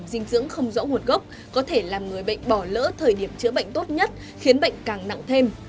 dinh dưỡng không rõ nguồn gốc có thể làm người bệnh bỏ lỡ thời điểm chữa bệnh tốt nhất khiến bệnh càng nặng thêm